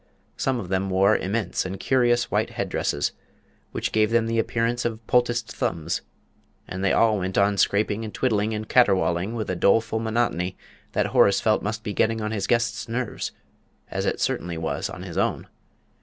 Some of them wore immense and curious white head dresses, which gave them the appearance of poulticed thumbs; and they all went on scraping and twiddling and caterwauling with a doleful monotony that Horace felt must be getting on his guests' nerves, as it certainly was on his own.